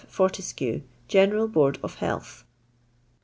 FOBTESOUl. <' Geneial Board of Health."